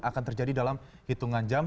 akan terjadi dalam hitungan jam